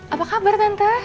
apa kabar tante